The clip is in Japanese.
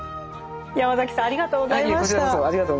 ヤマザキさんありがとうございました。